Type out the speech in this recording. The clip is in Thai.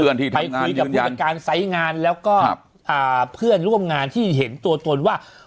ไปคุยกับผู้จัดการไซส์งานแล้วก็เพื่อนร่วมงานที่เห็นตัวตนว่า